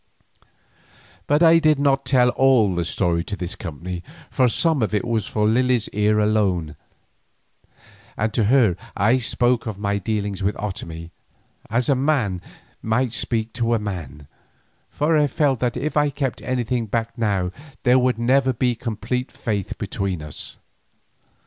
But I did not tell all the story to this company, for some of it was for Lily's ear alone, and to her I spoke of my dealings with Otomie as a man might speak with a man, for I felt that if I kept anything back now there would never be complete faith between us.